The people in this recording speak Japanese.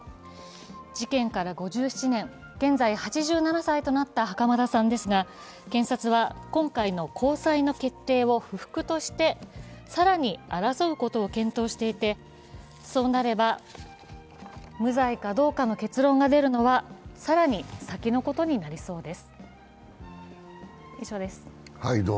事件から５７年、現在８７歳となった袴田さんですが、検察は今回の高裁の決定を不服として更に争うことを検討していてそうなれば、無罪かどうかの結論が出るのは更に先のことになりそうです。